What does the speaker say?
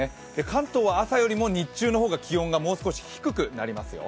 関東は朝よりも日中の方が気温がもう少し低くなりますよ。